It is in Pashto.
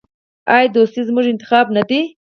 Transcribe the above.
آیا دوستي زموږ انتخاب نه دی؟